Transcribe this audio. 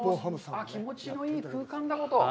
気持ちのいい空間だこと。